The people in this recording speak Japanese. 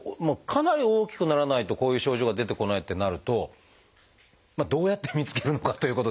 かなり大きくならないとこういう症状が出てこないってなるとどうやって見つけるのかということですが。